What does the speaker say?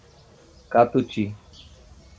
Catuti